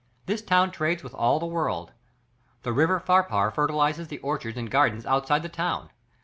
This town trades with all the world. The river Pharpar fertilizes the orchards and gardens outside the town.